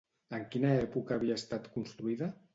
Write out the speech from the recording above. En quina època havia estat construïda?